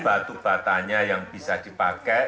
batu batanya yang bisa dipakai